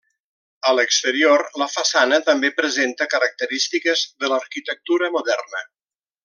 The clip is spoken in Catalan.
A l'exterior la façana també presenta característiques de l'arquitectura moderna.